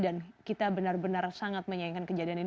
kita benar benar sangat menyayangkan kejadian ini